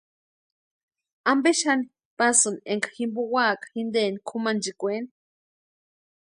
¿Ampe xani pasïni énka jimpo úaka jinteni kʼumanchikweni?